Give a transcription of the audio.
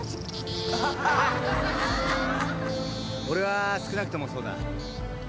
「俺は少なくともそうだ」